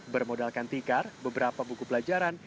bermodalkan tikar beberapa buku pelajaran